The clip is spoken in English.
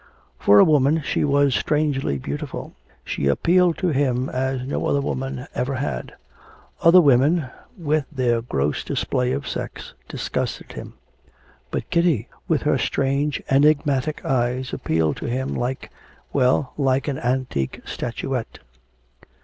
For a woman she was strangely beautiful. She appealed to him as no other woman ever had. Other women, with their gross display of sex, disgusted him; but Kitty, with her strange, enigmatic eyes, appealed to him like well, like an antique statuette.